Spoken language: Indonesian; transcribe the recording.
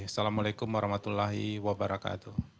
assalamu'alaikum warahmatullahi wabarakatuh